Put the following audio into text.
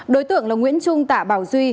đối tượng là nguyễn trung tạ bảo duy